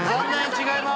違います。